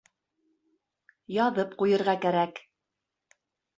Яҙып ҡуйырға кәрәк.